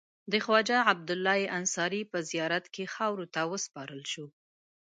د خواجه عبدالله انصاري په زیارت کې خاورو ته وسپارل شو.